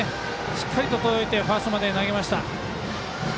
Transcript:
しっかりと届いてファーストまで投げました。